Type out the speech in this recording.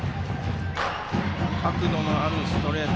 角度のあるストレート